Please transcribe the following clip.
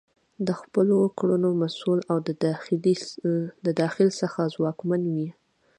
د خپلو کړنو مسؤل او د داخل څخه ځواکمن وي.